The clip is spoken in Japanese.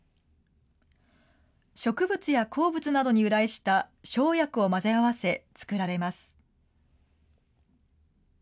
植物や鉱物などに由来した生薬を混ぜ合わせ、作られます。